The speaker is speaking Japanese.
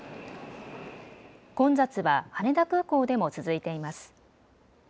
混雑は羽田空港でも続いています。